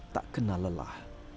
tak kena lelah